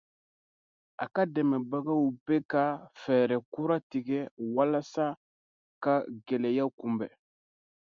A dɛmɛbagaw bɛ ka fɛɛrɛ kuraw tigɛ walasa ka gɛlɛya in kunbɛn